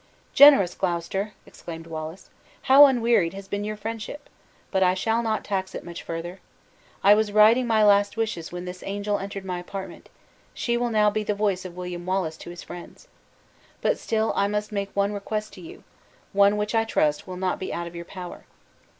"Generous Gloucester!" exclaimed Wallace, "how unwearied has been your friendship! But I shall not tax it much further. I was writing my last wishes when this angel entered my apartment; she will now be the voice of William Wallace to his friends. But still I must make one request to you one which I trust will not be out of your power.